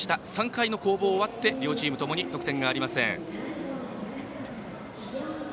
３回の攻防終わって両チームともに得点がありません。